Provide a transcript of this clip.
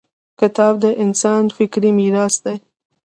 • کتاب د انسان فکري میراث دی.